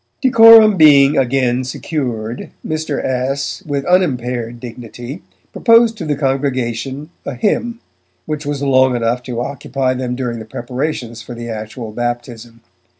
Decorum being again secured, Mr. S., with unimpaired dignity, proposed to the congregation a hymn, which was long enough to occupy them during the preparations for the actual baptism.